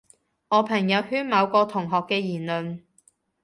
我朋友圈某個同學嘅言論